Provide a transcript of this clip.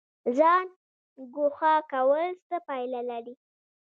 ځان ګوښه کول څه پایله لري؟